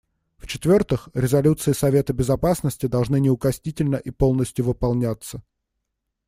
В-четвертых, резолюции Совета Безопасности должны неукоснительно и полностью выполняться.